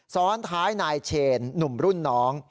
ซ้อนท้ายนายเชนหนุ่มรุ่นน้อง